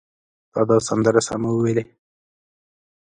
تا دا سندره سمه وویلې!